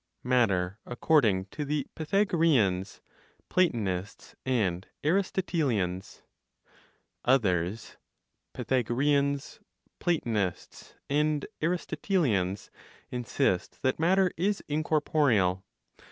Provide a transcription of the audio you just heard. MATTER ACCORDING TO THE PYTHAGOREANS, PLATONISTS AND ARISTOTELIANS. Others (Pythagoreans, Platonists and Aristotelians) insist that matter is incorporeal.